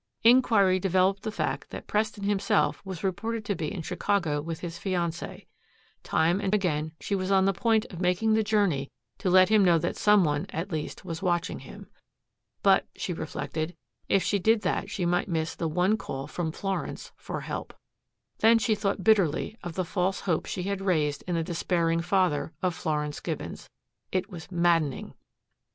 Inquiry developed the fact that Preston himself was reported to be in Chicago with his fiancee. Time and again she was on the point of making the journey to let him know that some one at least was watching him. But, she reflected, if she did that she might miss the one call from Florence for help. Then she thought bitterly of the false hopes she had raised in the despairing father of Florence Gibbons. It was maddening.